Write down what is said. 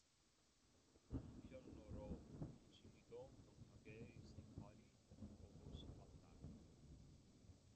한편으로 영신이도 동혁의 생활이 보고 싶었다.